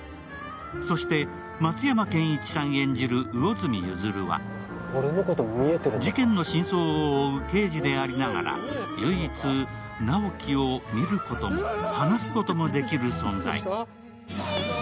そして松山ケンイチさん演じる魚住譲は事件の真相を追う刑事でありながら唯一、直木を見ることも話すこともできる存在。